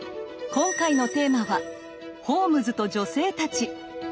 今回のテーマはホームズと女性たち！